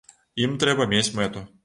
Ім трэба мець мэту.